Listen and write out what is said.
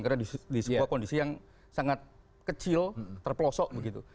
karena di sebuah kondisi yang sangat kecil terpelosok begitu